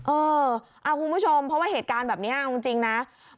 เออคุณผู้ชมเพราะว่าเหตุการณ์แบบนี้เอาจริงนะ